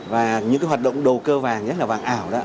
và những hoạt động đầu cơ vàng nhất là vàng ảo